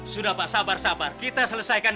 sudah pak sabar sabar kita selesaikan